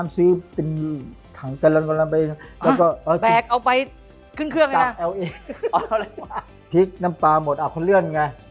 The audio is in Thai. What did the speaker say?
ใส่ไข่น้อยใส่อะไรนี่แหละ